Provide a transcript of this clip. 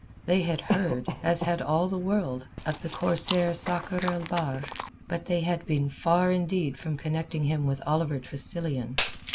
They had heard, as had all the world, of the corsair Sakr el Bahr, but they had been far indeed from connecting him with Oliver Tressilian.